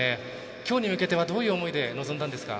きょうに向けてはどういう思いで臨んだんですか？